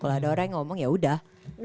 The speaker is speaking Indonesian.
kalau ada orang yang ngomong yaudah